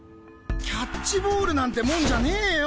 キャッチボールなんてもんじゃねぇよ